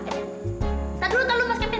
tidak dulu mas kevin